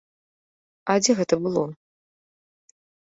А дзе гэта было?